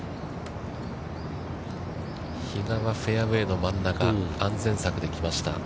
比嘉はフェアウェイの真ん中、安全策で来ました。